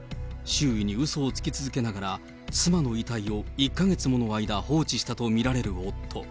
周囲にうそをつき続けながら、妻の遺体を１か月もの間、放置したと見られる夫。